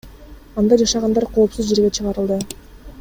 Анда жашагандар коопсуз жерге чыгарылды.